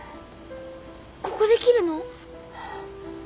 ここで切るの？